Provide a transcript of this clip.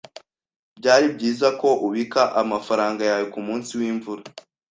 Byari byiza ko ubika amafaranga yawe kumunsi wimvura.